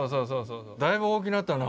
だいぶ大きなったな。